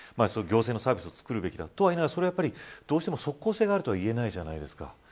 行政のサービスをつくるべきだとは言いながらどうしても即効性があるとは言えないじゃないですか。